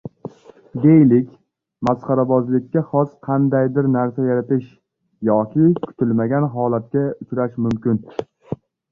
Deylik, masxarabozlikka xos qandaydir narsa yaratish yoki kutilmagan holatga uchrash mumkin